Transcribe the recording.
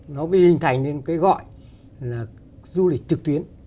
nó bị hình thành nên cái gọi là du lịch trực tuyến